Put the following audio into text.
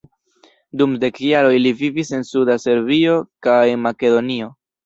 Dum dek jaroj li vivis en suda Serbio kaj Makedonio.